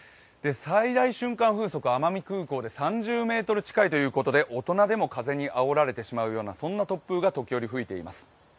最大瞬間風速、奄美空港で３０メートル近いということで大人でも風にあおられてしまうような、そんな突風が時折吹いています。